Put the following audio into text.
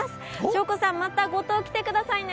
祥子さん、また五島来てください。